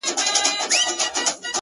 بیا هم به په بریالیتوب سره ترې راووځو